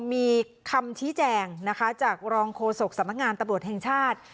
มีคำชี้แจงนะคะจากรองโฆษกสำนักงานตำรวจแห่งชาติ